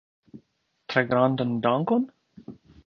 Tre grandan dankon?